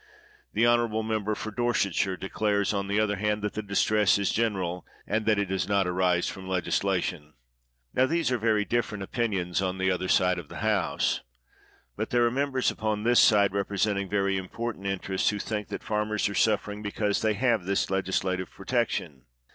I'he honorable member for Dorsetshire declares, on the other hand, that the distress is general, and that it does not arise from legislation. Now, there are these very different opinions on the other side of the House; but there are members upon this side representing very im portant interests, who think that farmers are suffering because they have this legislative pro tection.